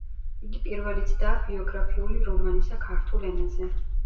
იგი პირველი ცდაა ბიოგრაფიული რომანისა ქართულ ენაზე.